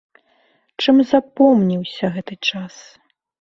Чым запомніўся гэты час?